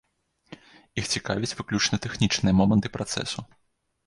Іх цікавяць выключна тэхнічныя моманты працэсу.